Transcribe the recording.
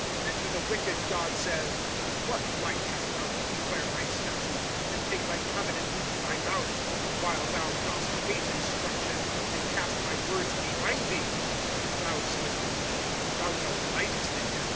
18 And to the wicked God says : What right hast thou to declare my statutes, And take my covenant into thy mouth ; IT While thou dost hate instruction, And cast my words behind thee ? IB If thou seest a thief, thou delightest in him.